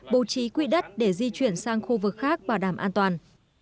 bố trí quỹ đất để di chuyển sang khu vực khác bảo đảm an toàn